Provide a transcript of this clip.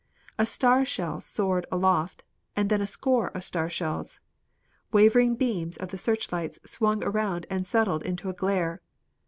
A star shell soared aloft, then a score of star shells. Wavering beams of the searchlights swung around and settled into a glare.